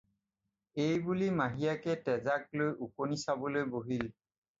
এইবুলি মাহীয়েকে তেজাক লৈ ওকণি চাবলৈ বহিল।